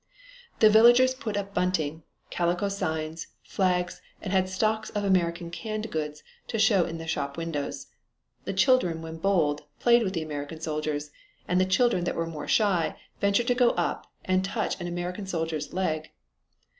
The villagers put up bunting, calico signs, flags and had stocks of American canned goods to show in their shop windows. The children, when bold, played with the American soldiers, and the children that were more shy ventured to go up and touch an American soldier's leg.